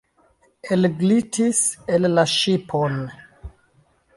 Elglitis el la ŝipon.